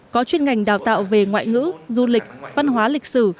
có chuyên ngành đào tạo về ngoại ngữ du lịch văn hóa lịch sử